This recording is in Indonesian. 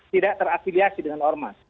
tidak terafiliasi dengan ormas